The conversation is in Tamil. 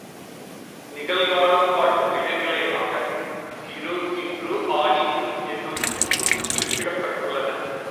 நிகழ்காலம் காட்டும் இடைநிலைகளாகக் கிறு கின்று ஆநின்று என்னும் மூன்றும் குறிப்பிடப்பட்டுள்ளன.